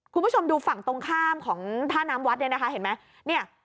คุณผู้ชมดูฝั่งตรงข้ามของท่าน้ำวัดเนี่ยนะคะเห็นไหมเนี่ย